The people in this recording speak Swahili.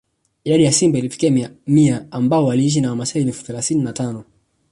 Idadi ya simba ilifikia mia ambao waliishi na wamaasai elfu thelathini na tano